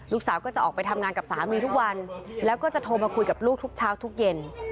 ลูกสาวก็จะออกไปทำงานกับสามีทุกวันแล้วก็จะโทรมาคุยกับลูกทุกเช้าทุกเย็น